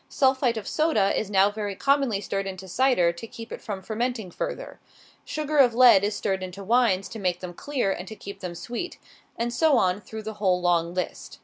Sulphite of soda is now very commonly stirred into cider, to keep it from fermenting further. Sugar of lead is stirred into wines to make them clear, and to keep them sweet. And so on, through the whole long list.